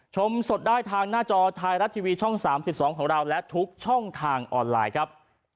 ชมสดได้ทางหน้าจอไทยรัฐทีวีช่อง๓๒ของเราและทุกช่องทางออนไลน์ครับ